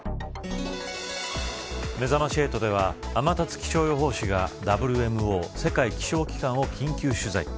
めざまし８では天達気象予報士がＷＭＯ世界気象機関を緊急取材。